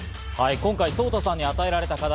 今回ソウタさんに与えられた課題。